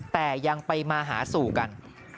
แต่ยังไปมาหาสู่กัน